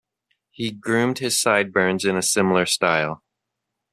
He groomed his sideburns in a similar style.